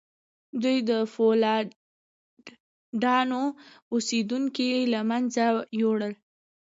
دوی د فیوډالانو اوسیدونکي له منځه یوړل.